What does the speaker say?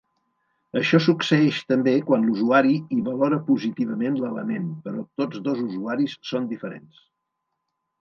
Això succeeix també quan l'usuari i valora positivament l'element però tots dos usuaris són diferents.